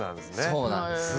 そうなんです。